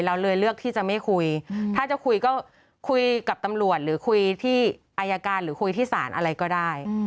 เราเลยเลือกที่จะไม่คุยถ้าจะคุยก็คุยกับตำรวจหรือคุยที่อายการหรือคุยที่ศาลอะไรก็ได้